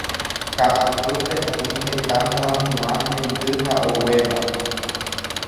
Ka'aguýpe oĩ heta muãmuã hendy ha oguéva.